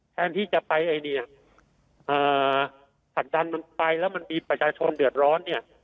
แทนที่จะไปไอ้เนี่ยผลักดันมันไปแล้วมันมีประชาชนเดือดร้อนเนี่ย